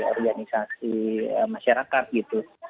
organisasi masyarakat gitu